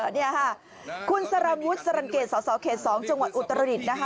นี่ค่ะคุณสารวุฒิสรรเกตสสเขต๒จังหวัดอุตรดิษฐ์นะคะ